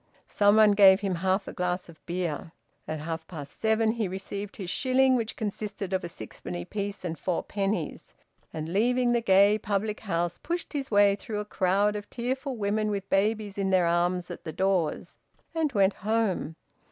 Some one gave him half a glass of beer. At half past seven he received his shilling which consisted of a sixpenny piece and four pennies; and leaving the gay, public house, pushed his way through a crowd of tearful women with babies in their arms at the doors, and went home.